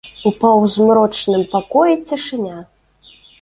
У паўзмрочным пакоі цішыня.